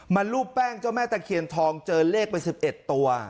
รูปแป้งเจ้าแม่ตะเคียนทองเจอเลขไป๑๑ตัว